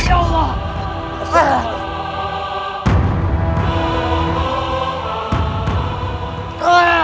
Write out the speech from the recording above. semoga eggie tak jatuh lek shorex